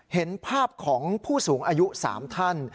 เห็นภาพของผู้สูงอายุ๓ท่าน